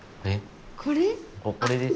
これ？